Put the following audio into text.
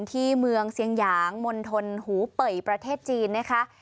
ที่เมืองเซียงหยางมณฑลหูเป่ยประเทศจีนนะคะ